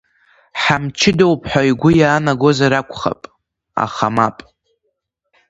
Ҳамчыдоуп ҳәа игәы иаанагозар акәхап, аха мап…